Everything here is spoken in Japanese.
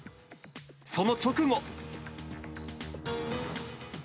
その直後。